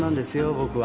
僕は。